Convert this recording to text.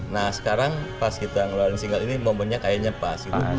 nah sekarang pas kita ngeluarin single ini momennya kayaknya pas gitu